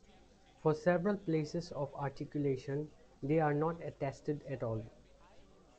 For several places of articulation they are not attested at all.